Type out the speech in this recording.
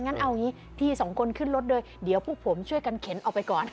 งั้นเอาอย่างนี้พี่สองคนขึ้นรถเลยเดี๋ยวพวกผมช่วยกันเข็นออกไปก่อน